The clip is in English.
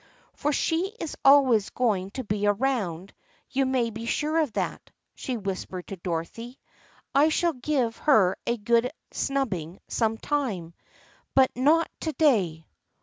M For she is always going to be around, you may be sure of that," she whispered to Dorothy. " I shall give her a good snubbing some time, but not to day."